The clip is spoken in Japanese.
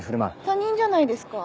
他人じゃないですか。